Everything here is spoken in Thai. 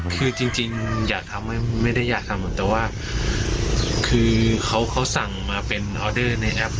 คือจริงอยากทำไม่ได้อยากทำแต่ว่าคือเขาสั่งมาเป็นออเดอร์ในแอป